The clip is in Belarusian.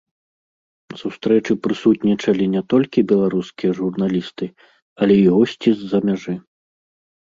На сустрэчы прысутнічалі не толькі беларускія журналісты, але і госці з-за мяжы.